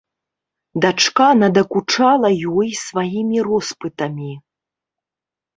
Дачка надакучала ёй сваімі роспытамі.